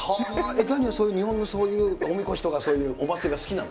ザニーはそういう日本のおみこしとか、そういうお祭りが好きなの？